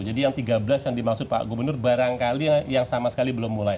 jadi yang tiga belas yang dimaksud pak gubernur barangkali yang sama sekali belum mulai